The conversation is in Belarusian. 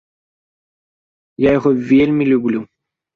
Я яго вельмі люблю.